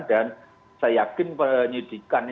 dan saya yakin penyidikan itu tidak ada berikutnya